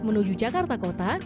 menuju jakarta kota